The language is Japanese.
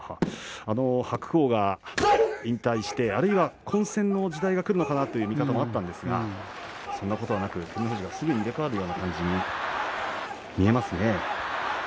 白鵬が引退してあるいは混戦の時代がくるかと思ったんですがそんなことはなくすぐに入れ替わるような感じに見えますね。